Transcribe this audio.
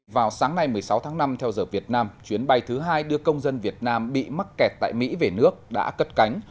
vào sáng nay một mươi sáu tháng năm theo giờ việt nam chuyến bay thứ hai đưa công dân việt nam bị mắc kẹt tại mỹ về nước đã cất cánh